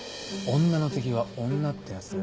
女の敵は女ってやつ？